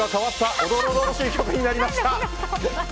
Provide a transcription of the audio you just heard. おどろおどろしい曲になりました。